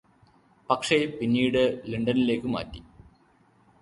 പക്ഷേ പിന്നീട് ലണ്ടനിലേക്ക് മാറി